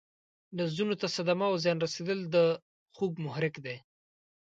نسجونو ته صدمه او زیان رسیدل د خوږ محرک دی.